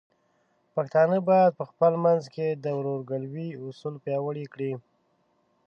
پښتانه بايد په خپل منځ کې د ورورګلوۍ اصول پیاوړي کړي.